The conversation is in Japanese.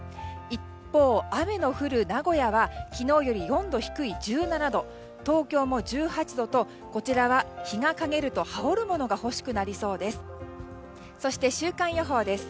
一方、雨の降る名古屋は昨日より４度低い１７度東京も１８度とこちらは日がかげると羽織るものが欲しくなりそうです。